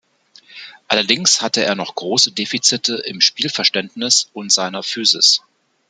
Allerdings hatte er noch große Defizite im Spielverständnis und seiner Physis.